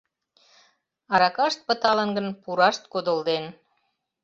Аракашт пыталын гын, пурашт кодылден